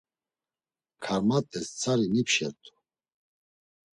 Karmat̆es tzari nipşert̆u.